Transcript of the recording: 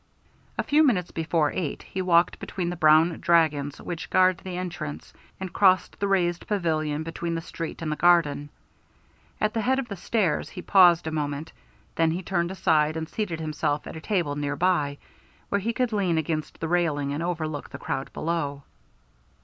A few minutes before eight he walked between the brown dragons which guard the entrance, and crossed the raised pavilion between the street and the garden. At the head of the stairs he paused a moment, then he turned aside and seated himself at a table near by, where he could lean against the railing and overlook the crowd below.